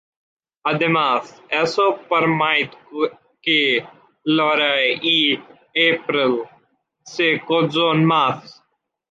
Además, eso permite que Lorelai y April se conozcan más.